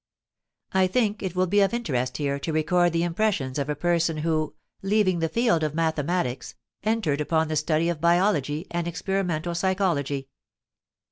I think it will be of interest here to record the impressions of a person who, leaving the field of mathematics, entered upon the study of biology and experimental psychology.